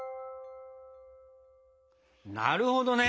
なるほどね。